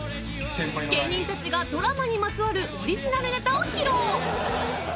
［芸人たちがドラマにまつわるオリジナルネタを披露］